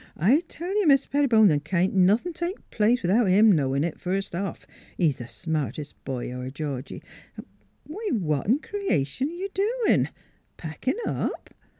... I tell you, Mis' 302 NEIGHBORS Pettibone, th' can't nothin' take place without him knowin' it, first off. He's th' smartest boy our Georgie. ... Why, what 'n creation you doin' packin' up?